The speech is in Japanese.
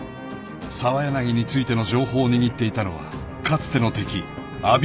［澤柳についての情報を握っていたのはかつての敵阿比留だった］